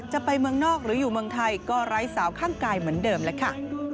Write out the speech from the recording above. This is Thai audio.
จะไปเมืองนอกหรืออยู่เมืองไทยก็ไร้สาวข้างกายเหมือนเดิมแล้วค่ะ